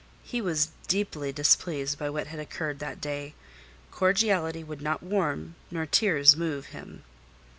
He was deeply displeased by what had occurred that day; cordiality would not warm, nor tears move him.